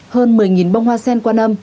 hơn một mươi bông hoa sen qua năm